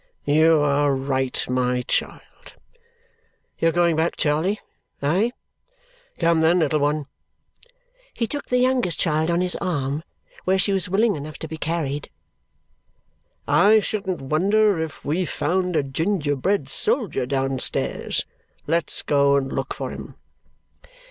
"You are right, my child. You're going back, Charley? Aye? Come then, little one!" He took the youngest child on his arm, where she was willing enough to be carried. "I shouldn't wonder if we found a ginger bread soldier downstairs. Let's go and look for him!"